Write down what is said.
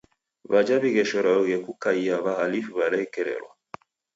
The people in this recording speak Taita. W'aja w'ighesherogje kukaia w'ahalifu w'alekerelwa.